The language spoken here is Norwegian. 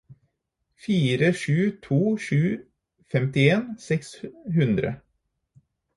fire sju to sju femtien seks hundre